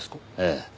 ええ。